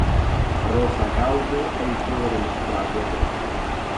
Rosa caldo è il colore mostrato a destra.